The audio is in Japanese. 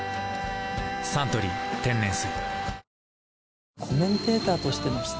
「サントリー天然水」